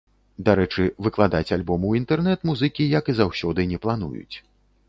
Дарэчы, выкладаць альбом у інтэрнэт музыкі, як і заўсёды не плануюць.